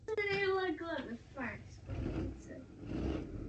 Rovněž vydala knihu pro děti.